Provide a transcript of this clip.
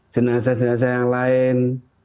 jenazah jenazah yang lain